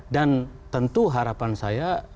dan tentu harapan saya